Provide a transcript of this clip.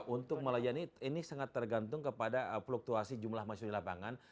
untuk melayani ini sangat tergantung kepada fluktuasi jumlah mahasiswa di lapangan